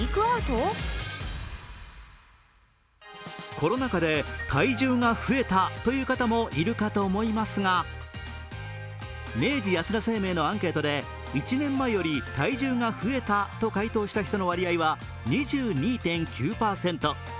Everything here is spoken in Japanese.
コロナ禍で体重が増えたという方もいるかと思いますが明治安田生命のアンケートで１年前より体重が増えたと回答した人の割合は２２．９％。